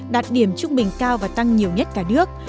đạt điểm trung bình cao và tăng nhiều nhất cả nước